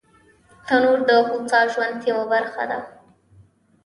تنور د هوسا ژوند یوه برخه ده